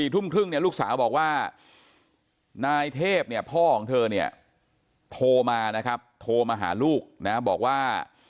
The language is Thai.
ทุ่มครึ่งเนี่ยลูกสาวบอกว่านายเทพเนี่ยพ่อของเธอเนี่ยโทรมานะครับโทรมาหาลูกนะบอกว่า